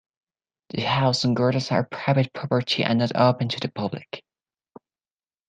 The house and gardens are private property and not open to the public.